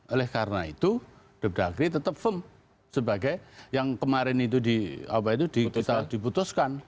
oleh karena itu dut dhaqri tetap fem sebagai yang kemarin itu di awal itu diputuskan